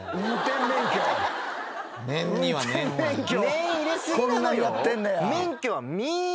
念入れ過ぎなのよ。